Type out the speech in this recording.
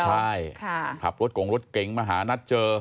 ใช่ขับรถกงรถเก๋งมาหานัดเจอ